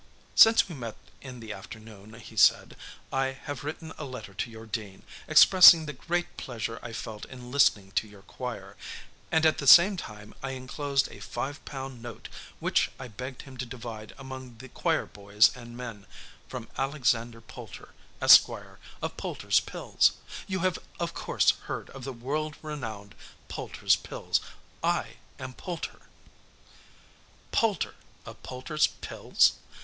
"Since we met in the afternoon," he said, "I have written a letter to your dean, expressing the great pleasure I felt in listening to your choir, and at the same time I inclosed a five pound note, which I begged him to divide among the choir boys and men, from Alexander Poulter, Esq., of Poulter's Pills. You have of course heard of the world renowned Poulter's Pills. I am Poulter!" Poulter of Poulter's Pills!